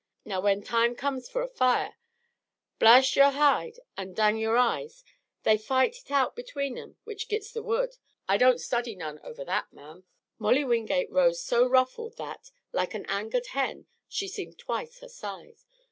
Now when time comes fer a fire, Blast Yore Hide an' Dang Yore Eyes, they fight hit out between 'em which gits the wood. I don't study none over that, ma'am." Molly Wingate rose so ruffled that, like an angered hen, she seemed twice her size.